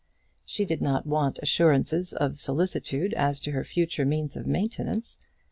She did not want assurances of solicitude as to her future means of maintenance.